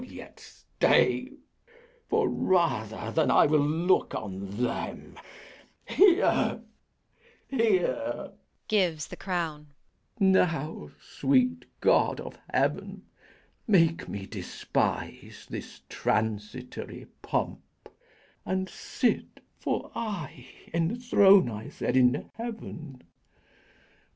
Yet stay; for, rather than I'll look on them, Here, here! [Gives the crown.] Now, sweet God of heaven, Make me despise this transitory pomp, And sit fot aye enthronised in heaven!